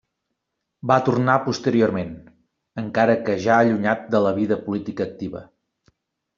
Va tornar posteriorment, encara que ja allunyat de la vida política activa.